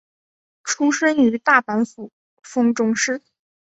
出身于大阪府丰中市。